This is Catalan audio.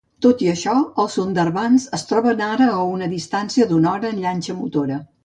Tot i això, els Sundarbans es troben ara a una distància d'una hora en llanxa motora.